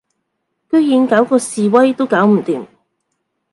居然搞嗰示威都搞唔掂